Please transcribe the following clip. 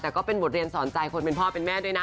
แต่ก็เป็นบทเรียนสอนใจคนเป็นพ่อเป็นแม่ด้วยนะ